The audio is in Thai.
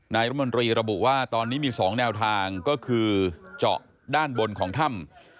รมนตรีระบุว่าตอนนี้มี๒แนวทางก็คือเจาะด้านบนของถ้ำ